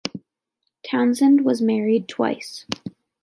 Townsend was married twice.